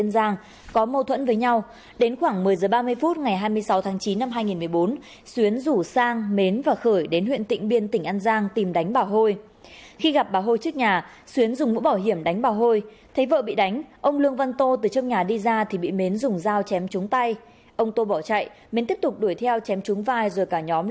xin chào và hẹn gặp lại các bạn trong những video tiếp theo